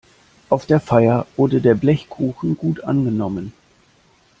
Auf der Feier wurde der Blechkuchen gut angenommen.